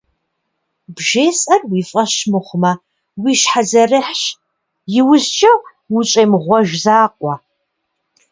Бжесӏэр уи фӏэщ мыхъумэ, уи щхьэ зэрыхьщ, иужькӏэ ущӏемыгъуэж закъуэ.